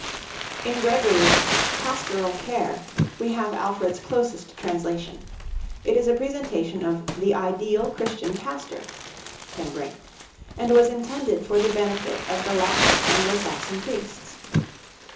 In Gregory's 'Pastoral Care' we have Alfred's closest translation. It is a presentation of "the ideal Christian pastor" (Ten Brink), and was intended for the benefit of the lax Anglo Saxon priests.